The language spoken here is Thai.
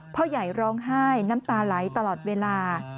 พ่อใหญ่ร้องไห้น้ำตาไหลตลอดเวลา